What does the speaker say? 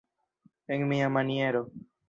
En mia maniero.